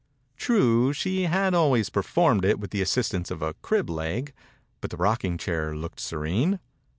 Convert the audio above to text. True, she had always performed it with the assistance of a crib leg, but the rocking chair looked serene.